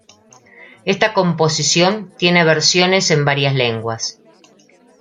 Esta composición tiene versiones en varias lenguas.